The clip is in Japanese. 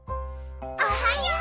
おはよう。